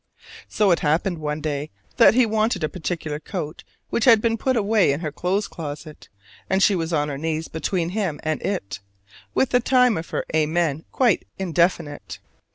So it happened one day that he wanted a particular coat which had been put away in her clothes closet and she was on her knees between him and it, with the time of her Amen quite indefinite.